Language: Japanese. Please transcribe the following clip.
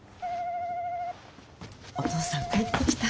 お父さん帰ってきた。